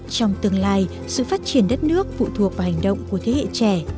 trong tương lai sự phát triển đất nước phụ thuộc vào hành động của thế hệ trẻ